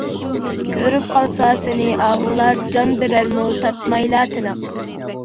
كۆرۈپ قالسا سېنى ئاھۇلار جان بېرەرمۇ تارتمايلا تىنىق.